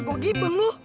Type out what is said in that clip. gua gipeng loh